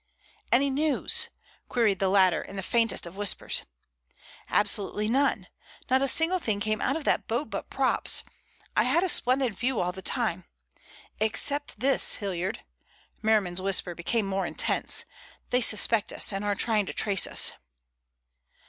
"Any news?" queried the latter in the faintest of whispers. "Absolutely none. Not a single thing came out of that boat but props. I had a splendid view all the time. Except this, Hilliard"—Merriman's whisper became more intense—"They suspect us and are trying to trace us."